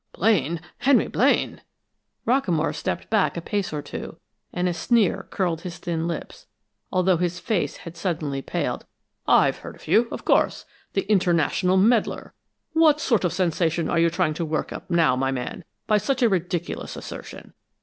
"Blaine Henry Blaine!" Rockamore stepped back a pace or two, and a sneer curled his thin lips, although his face had suddenly paled. "I've heard of you, of course the international meddler! What sort of sensation are you trying to work up now, my man, by such a ridiculous assertion?